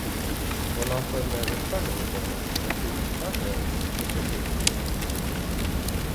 Вона, певне, не скаже нікому та ще й скаже, чи то гріх, чи ні?